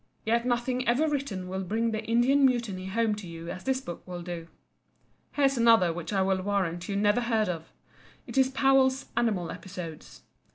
Yet nothing ever written will bring the Indian Mutiny home to you as this book will do. Here's another which I will warrant you never heard of. It is Powell's "Animal Episodes."